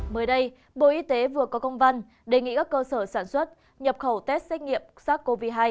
mới đây bộ y tế vừa có công văn đề nghị các cơ sở sản xuất nhập khẩu test xét nghiệm sars cov hai